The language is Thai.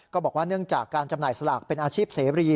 บอกว่าเนื่องจากการจำหน่ายสลากเป็นอาชีพเสรี